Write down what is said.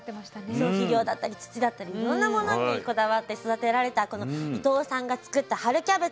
そう肥料だったり土だったりいろんなものにこだわって育てられたこの伊藤さんが作った春キャベツ。